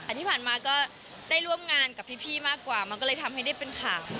ที่ผ่านมาก็ได้ร่วมงานกับพี่มากกว่ามันก็เลยทำให้ได้เป็นข่าว